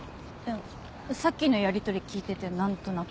さっきのやり取り聞いててなんとなく。